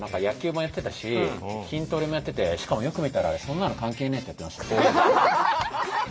野球もやってたし筋トレもやっててしかもよく見たら「そんなの関係ねぇ！」ってやってました。